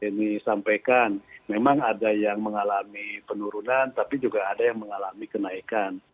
ini sampaikan memang ada yang mengalami penurunan tapi juga ada yang mengalami kenaikan